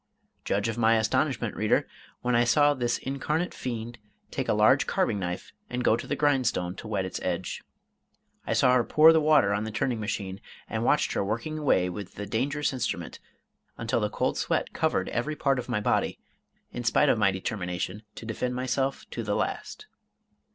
Judge of my astonishment, reader, when I saw this incarnate fiend take a large carving knife and go to the grindstone to whet its edge. I saw her pour the water on the turning machine, and watched her working away with the dangerous instrument, until the cold sweat covered every part of my body, in spite of my determination to defend myself to the last.